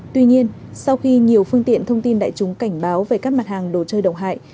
tuy nhiên sau khi nhiều phương tiện thông tin đại chúng cảnh báo về các mặt hàng đồ chơi độc hại